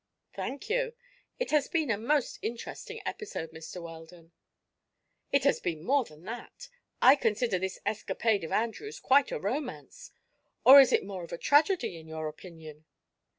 "Thank you. It has been an interesting episode, Mr. Weldon." "It has been more than that. I consider this escapade of Andrews quite a romance; or is it more of a tragedy, in your opinion?"